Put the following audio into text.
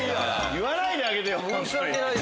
言わないであげてよ。